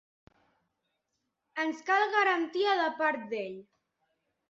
Ens cal garantia de part d'ell.